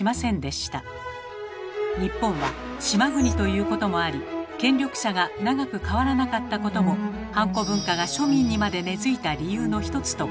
日本は島国ということもあり権力者が長くかわらなかったこともハンコ文化が庶民にまで根づいた理由の一つと考えられます。